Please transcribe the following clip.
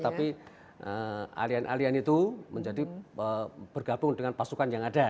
tapi alian alian itu menjadi bergabung dengan pasukan yang ada